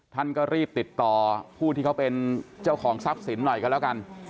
ท่านก็รีบติดต่อผู้ที่เขาเป็นเจ้าของทรัพย์สินหน่อยก็แล้วกัน